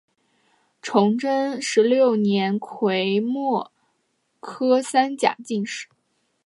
崇祯十六年癸未科三甲进士。